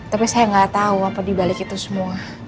tapi saya nggak tahu apa dibalik itu semua